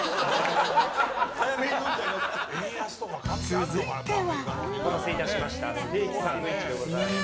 続いては。